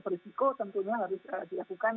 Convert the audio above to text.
berisiko tentunya harus dilakukan